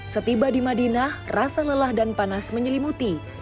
setiba di madinah rasa lelah dan panas menyelimuti